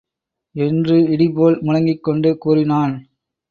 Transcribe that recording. என்று இடிபோல் முழங்கிக் கொண்டு கூறினான்.